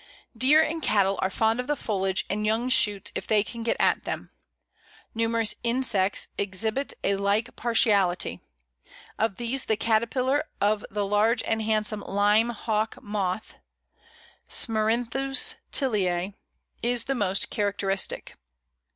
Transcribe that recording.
Deer and cattle are fond of the foliage and young shoots if they can get at them. Numerous insects exhibit a like partiality; of these the caterpillar of the large and handsome Lime Hawk moth (Smerinthus tiliæ) is the most characteristic.